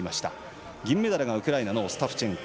銀メダル、ウクライナのオスタプチェンコ。